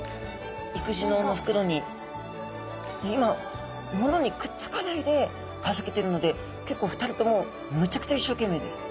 育児のうのふくろに今ものにくっつかないで預けてるので結構２人ともむちゃくちゃいっしょうけんめいです。